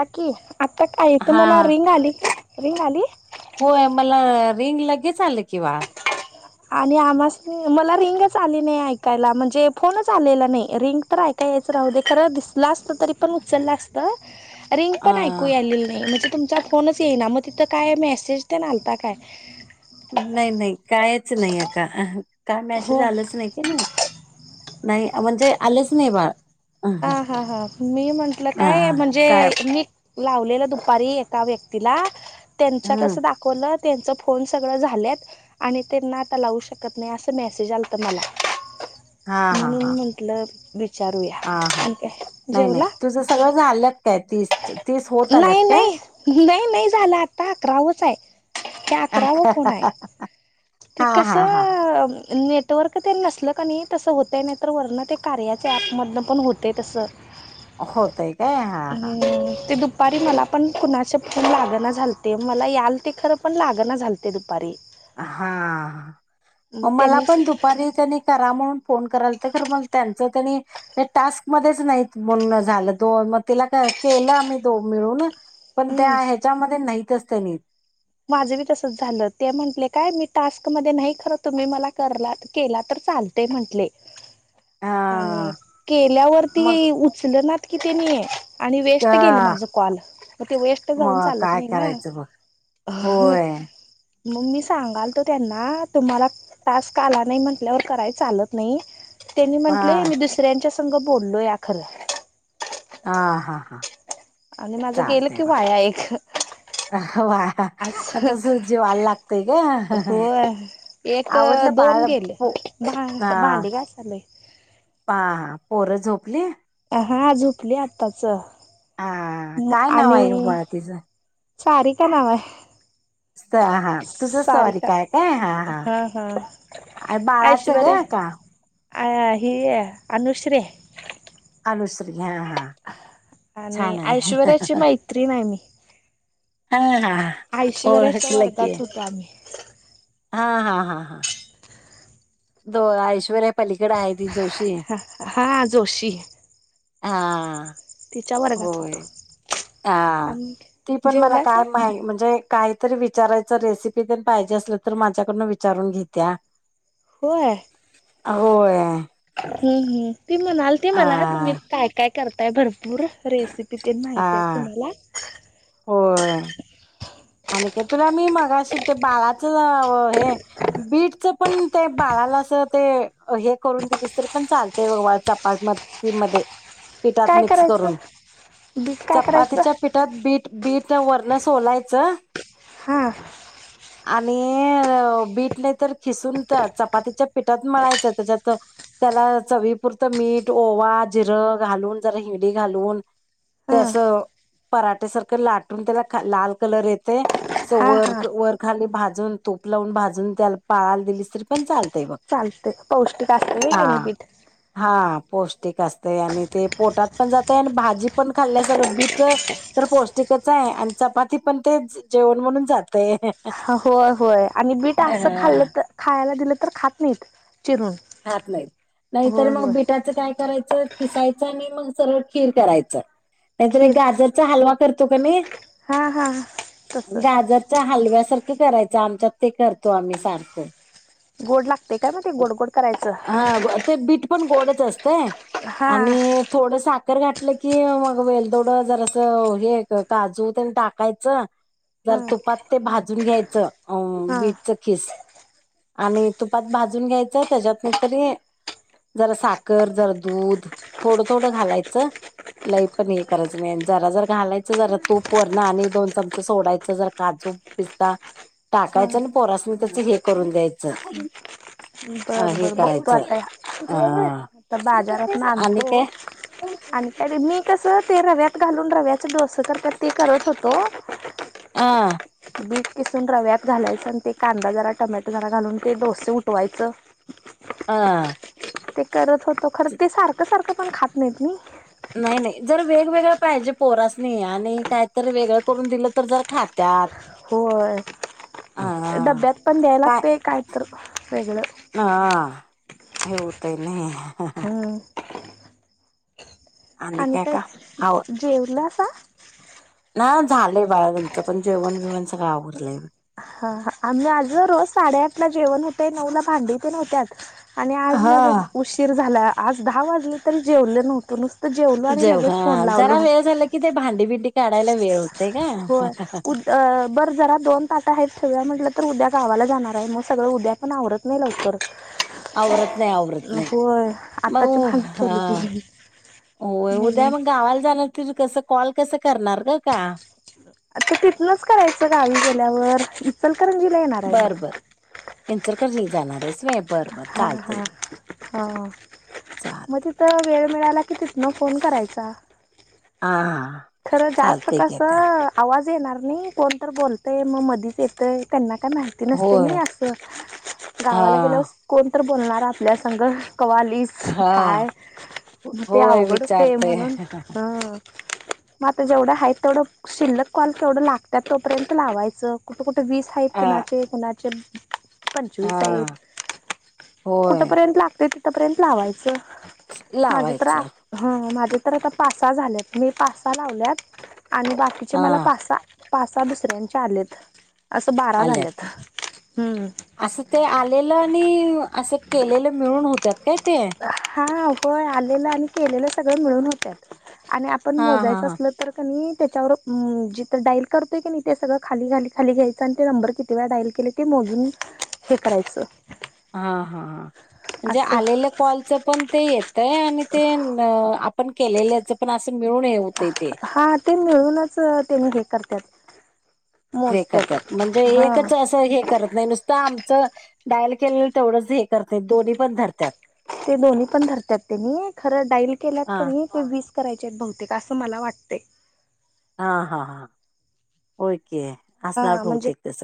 नक्की आता काय हा तुम्हाला रिंग आली, रिंग आली होय मला रिंग लगेच आली की, आणि आम्हसानी मला रिंगच आली नाही ऐकायला म्हणजे फोनच आलेला नाही रिंग तर ऐकयाला, तेच राहू दे खरं दिसलं असत तरी पण उचललं असत, तर रिंग अ पण ऐकू आलेली नाही म्हणजे तुमच्या फोनच येईना मग तिथं काय मेसेज ते काय नाही नाही कायच नाही अका काय मेसेज हो आलंच नाही की नाही. नाही म्हणजे आलेच नाही बाळ हा ह हा हा मी म्हंटलं काय हा म्हणजे, काय मी लावलेलं दुपारी एका व्यक्तीला त्यांच्यात हम्म तसं दाखवलं, त्यांचा फोन सगळं झाल्यात, आणि त्यांना आता लावू शकत नाही असं मेसेज आला तर मला, हा हा हा म्हणून म्हटल हा हा विचारूया नाही नाही जेवला? तुझं सगळं झालंत काय तीस तेच नाही नाही नाही नाही झालं आता अकरावच आहे. ते अकराव कोण आहे? ते हा कसे, हा हा नेटवर्क ते नसलं का नाही तसं होतं नाही तर वर्ण ते कार्याच्या ऍपमधलं पण होते तसं, होतय काय हा हा हम्म ते दुपारी दुपारी मला पण कुणाचे फोन लागण झालते. मला याल ते खरं पण लागण झालते दुपारी हा मग मला त्यांनीच पण दुपारी त्यांनी करा म्हणून फोन कराल तर मग त्यांच त्यांनी नाही टास्क मध्येच नाही बोलणं झालं दो मग तिला केलं आम्ही दोन मिळून, पण त्या हम्म, ह्याच्यामध्ये नाहीतच त्यांनी, माझं बी तसच झालं ते म्हंटले काय मी टास्क मध्ये नाही खरं तुम्ही मला केला तर चालेल. ते म्हटले, हा आणि मग केल्यावरती उचल नाही कि त्यांनी, आणि वेस्ट गेल का- माझं कॉल मग ते वेस्ट जाऊन मग चालत काय नाही ना, करायचं बघ ह होय मग मी सांगाल तो त्यांना तुम्हाला टास्क आला नाही म्हंटल्यावर करायला चालत नाही. त्यांनी हा म्हटलंय मी दुसऱ्यांच्या संघ बोललोय खर हां हां हां आणि माझं गेलं की वाया एक अ वा अस म तस जीवाल लाग ते ग होय एक ह बसलोय पां पोरं झोपली? हा झोपली आत्ताच. हा काय नाव आहे ग बाळा तिचं चारीका नाव हाय [unintelligible] हा सारिका हा अ बाळाच ग ऐश्वर्या आका अ हि अनुश्रे अनुश्री हा हा आणि छान आहे ऐश्वर्याची मैत्रीण हाय मी हा हा ऐशवर्याच्या ओळखलं की वर्गात होतो आम्ही. हा हा हा हा दोन ऐश्वर्या पलीकड आहे ती जोशी, ह हां जोशी, हा तिच्या वर्गात होय होतो. हा आणि ती पण मला जेवलासा? काय माहित म्हणजे, कायत होय अ होय हम्म हम् ती म्हणाल ती हा मला तुम्ही काय काय करताय भरपूर रेसि हा [unintelligible] होय आणखे तुला मी मगाशी ते बाळाचं हे बीटच पण ते बाळाला असं ते हे करून दिलीस तर पण चालते बाळ चपात मध ती मधे पिठात काय मिक्स करायचं करून, बीट काय करायचं चपातीच्या पिठात बीट बीट वरण सोलायचं हा आणि बीट लय तर खिसून चपातीच्या पिठात मळायचं त्याच्यात त्याला चवीपुरतं मीठ ओवा जिरं घालून जरा हिगडी घालून ते हा आसं पराठे सारखं लाटून त्याला लाल कलर येत ते अस हा वर हा वर खाली भाजून तूप लावून भाजून त्याला बाळाला दिलीस तर पण चालतय बघ. चालतय, पौष्टिक असतय होय हा की नी पीठ हा पौष्टिक असतय आणि ते पोटात पण जातय आणि भाजी पण खाल्ल्यासारखं बीट तर पौष्टिकच हाय. हा होय होय आणि बीट आसं खाल्लं तर खायला दिलं तर खात नाहीत. चिरून. खात नाहीत, नाहीतर होय होय मग बिटात तर काय करायचं किसायच आणि मग सरळ खीर करायचं, नाहीतरी खीर गाजर चा हलवा कर तो कनी हा हा तसं घ्या हलव्यासारखं करायच आमच्यात ते करतो आम्ही सारखं गोड लागतय काय मग ते गोड गोड करायचं. हा ग- ते बीट पण गोडच असतय हा आणि थोड सा खर घातलं की मग वेलदोडं जरासं हे काजू तेंन टाकायचं जरा हा तुपात ते भाजून घ्यायचं अ हा बीटच खीस आणि तुपात भाजून घ्यायचं त्याच्यात नाही तरी जरा साखर जरा दूध थोडं थोडं घालायचं. लय पण हे करायचं नाही जरा जरा घालायचं जरा तूप वरण आणि दोन चमचे सोडायचं जरा काजू पिस्ता हा टाकायचा आणि पोरासन त्याच हे करून द्यायचं अ बर हे बर बघतो करायचं आता या अ आता बाजारात आणि नानतो काय आणि त्या मी कसं ते रव्यात घालून रव्याचा डोस कर ते करत होतो ह बीठ किसून रव्यात घालायचं आणि ते कांदा जरा टमॅटो जरा घालून ते डोसे उठवायचं ह ते करत होतो खरं ते सारखं सारखं पण खात नाहीत मी नाही नाही जर वेगवेगळं पाहिजे पोरासणी आणि काहीतरी वेगळं करून दिलं तर जर खातत होय डब्यात पण द्याय लागते कायत वेगळं ह येऊत आहे नाही हा आणि काय ते, का आव [unintelligible] ना झालंय बाळा त्यांचं पण जेवण बेवण सगळं आवरडलंय, हा हा आम्ही आज रोज साडेआठ, ला जेवण होते नऊ ला भांडी ते होत्यात, आणि आज माझा हा उशीर झालाय, आज दहा वाजले तरी जेवलो नव्हतो नुस जेवा हा जरा, वेळ झाला की ते भांडी बिंडी काढायला वेळ होतय ना, अ बरं जरा दोन ताटा आहेत ठेऊ या, म्हटलं तर उद्या गावाला जाणार आहे मग सगळं उद्या पण आवरत नाही लवकर, आवरत नाही, आवरत नाही होय मग आत्ताची भांडी हह, ठेवली की होय उद्या म्हणून मग गावाला जाणार, त कस कॉल कसं करणार नाही का, तर तिथनच करायचं गावी गेल्यावर, इचलकरंजीला येणार आहे मी. इचलकरंजी ला जाणार हाईस व्हाय बर बर, हा चालतय हा की. हा चालत मज, तर वेळ मिळाला कि, तीतन फोन करायचा. हा हा, खरं जास्त चालतय की अक्का कसं, आवाज येणार नाही कोणत बोलतं आहे, मग मधीच येतं आहे त्यांना काना, नसते होय अस गावाला हा. गेल्यावर कोण, तर बोलणार आपल्या संघ कवा आलीस, हा काय मग ते होय अवघड होते. विचारते म्हणून ह, म आता जेवढं आहे तेवढं, शिल्लक कॉल तेवढं लागतात. तोपर्यंत लावायचं कुठे कुठे वीस थाईत हा कोणाचे कोणाचे, पंचवीस आहेत हा. होय कुठपर्यंत, लागते तिथपर्यंत लावायचं. माझे तर आ लावायचं माझे तर आता पासा सहा, झाले मी पास लावल्यात आणि बाकीचे हा मला, पासा पासा दुसऱ्यांच्या आलेत. असं बारा आल्यात. झालंत हम्, असं ते आलेलं आणि असं केलेलं मिळून होत्यात काय ते? हा होय आलेलं आणि केलेलं सगळं, मिळून होत आणि आपण हा हा मोजायचं हा असलं तर, त्याच्यावर जिथ डाईल करतोय की नाही, ते सगळं खाली खाली खाली घ्यायचं आणि ते नंबर किती वेळा डाईल केले, ते मोजून हे करायचं. हा हा ह म्हणजे असं आलेलं कॉलच, पण ते येतय आणि ते पण केलेल्याच पण असं मिळून हे होत इ ते, हा ते मिळूनच त्यांनी हे, करतात ते करतात म्हणजे हा एकच असं हे करत नाही, नुसतं आमचं डायल केलं तेवढंच हे, करत नाहीत दोन्ही पण धरतात. ते दोन्ही पण धरतात तेनी खरं, डाईल केल्यात हा कानी, ते वीस करायचे आहेत बहुतेक, का असं मला वाटते. हा हा हा होय की, असणार हा म्हणजे बहतेक तस,